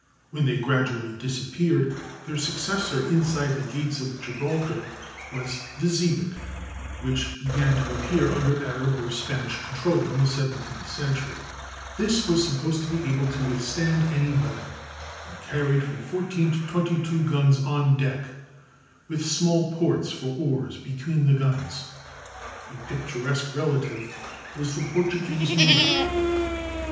When they gradually disappeared, their successor inside the gates of Gibraltar was the xebec, which began to appear under Arab or Spanish control in the seventeenth century; this was supposed to be able to withstand any weather, and carried from fourteen to twenty two guns on deck, with small ports for oars between the guns. A picturesque relative was the Portuguese muleta.